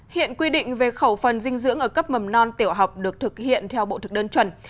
hiện quy định về khẩu phần dinh dưỡng ở cấp mầm non tiểu học được thực hiện theo bộ thực đơn chuẩn